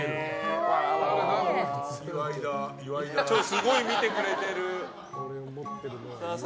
すごい見てくれてる。